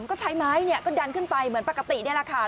ก็ใช้ไม้ก็ดันขึ้นไปเหมือนปกตินี่แหละค่ะ